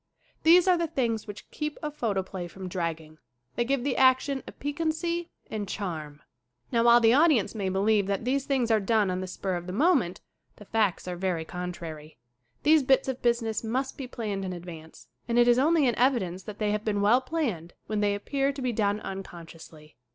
These are the things which keep a photoplay from dragging. They give the action a piq uancy and charm. 54 SCREEN ACTING Now while the audience may believe that these things are done on the spur of the mo ment the facts are very contrary. These bits of business must be planned in advance and it is only an evidence that they have been well planned when they appear to be done uncon sciously.